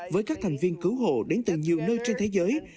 với các thành viên cứu hộ đến từ nhiều nơi trên thế giới